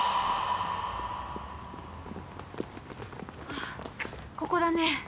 あっここだね。